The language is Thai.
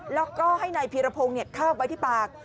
แล้วก็ให้นายพีรพงศ์คาบไว้ที่ปาก